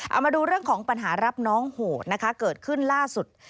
เอามาดูเรื่องของปัญหารับน้องโหดนะคะเกิดขึ้นล่าสุด